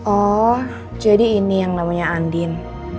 oh jadi ini yang namanya andin